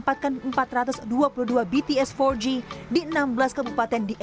bagaimana menurut anda